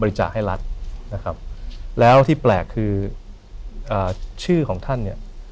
จ่ายให้รัฐนะครับแล้วที่แปลกคืออ่าชื่อของท่านเนี่ย